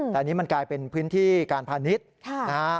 แต่อันนี้มันกลายเป็นพื้นที่การพาณิชย์นะฮะ